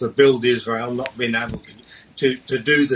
tidak bisa melakukan hal hal yang mereka lakukan di dunia